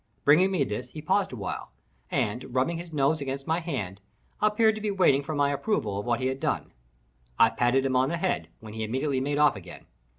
Bringing me this, he paused awhile, and, rubbing his nose against my hand, appeared to be waiting for my approval of what he had done. I patted him on the head, when he immediately made off again.